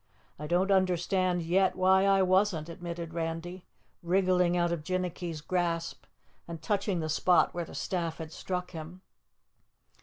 "I don't understand yet why I wasn't," admitted Randy, wriggling out of Jinnicky's grasp and touching the spot where the staff had struck him.